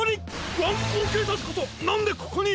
ワンコロけいさつこそなんでここに！？